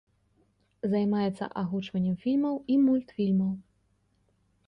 Займаецца агучваннем фільмаў і мультфільмаў.